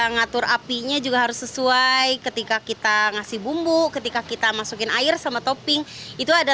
ngatur apinya juga harus sesuai ketika kita ngasih bumbu ketika kita masukin air sama topping itu ada